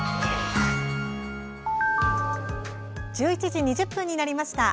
１１時２０分になりました。